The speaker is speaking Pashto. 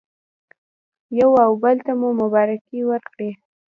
یو او بل ته مو مبارکي ورکړه.